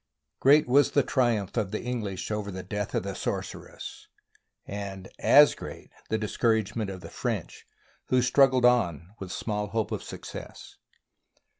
Great was the triumph of the English over the " death ': of the " sorceress," and as great the discouragement of the French, who struggled on with small hope of success.